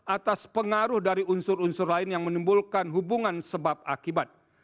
atas pengaruh dari unsur unsur lain yang menimbulkan hubungan sebab akibat